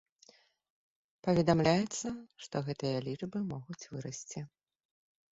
Паведамляецца, што гэтыя лічбы могуць вырасці.